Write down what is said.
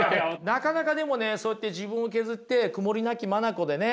なかなかでもねそうやって自分を削って曇りなき眼でね